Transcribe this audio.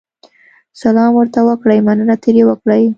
سلام ورته وکړئ، مننه ترې وکړئ.